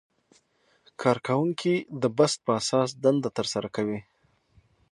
کارکوونکي د بست په اساس دنده ترسره کوي.